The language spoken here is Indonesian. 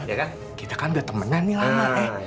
ya kan kita kan udah temenan nih lama nih